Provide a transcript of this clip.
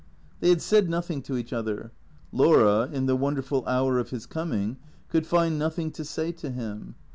They had said nothing to each other. Laura, in the won derful hour of his coming, could find nothing to say to him.